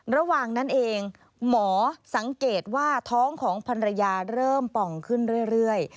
ระหว่างนั้นเองหมอสังเกตว่าท้องของภรรยาเริ่มป่องขึ้นเรื่อย